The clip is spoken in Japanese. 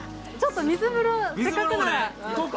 水風呂、せっかくなんで。